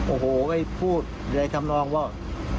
โอ้โหไอ้ผู้ที่ได้ทำลองว่า